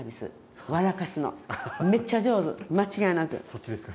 そっちですか。